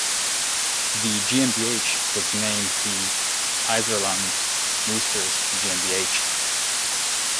The GmbH was named the Iserlohn Roosters GmbH.